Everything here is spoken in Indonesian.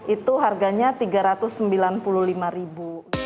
itu harganya rp tiga ratus sembilan puluh lima ribu